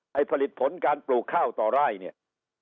ผลิตผลการปลูกข้าวต่อไร่เนี่ย